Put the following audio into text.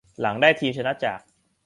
หลังจากได้ทีมชนะจาก